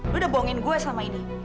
lu udah bohongin gue selama ini